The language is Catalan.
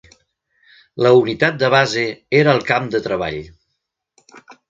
La unitat de base era el camp de treball.